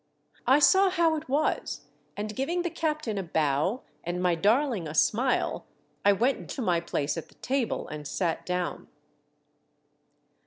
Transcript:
I saw how it was, and giving the captain a bow and my darling a smile, I went to my place at the table and sat down.